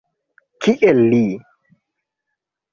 Kiel li?